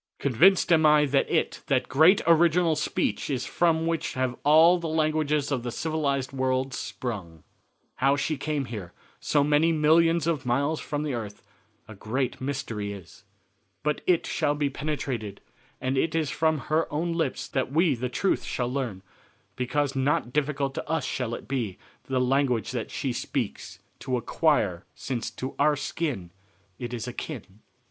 Convinced am I that it that great original speech is from which have all the languages of the civilized world sprung." "How she here came, so many millions of miles from the earth, a great mystery is. But it shall be penetrated, and it is from her own lips that we the truth shall learn, because not difficult to us shall it be the language that she speaks to acquire since to our own it is akin."